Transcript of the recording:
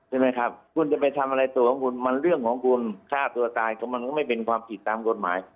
ใช่ไหมครับคุณจะไปทำอะไรตัวของคุณมันเรื่องของคุณฆ่าตัวตายก็มันก็ไม่เป็นความผิดตามกฎหมาย